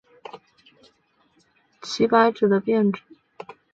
台湾独活为伞形科当归属祁白芷的变种。